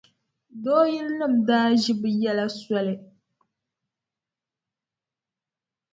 Dooyilinima daa ʒi bɛ yɛla soli.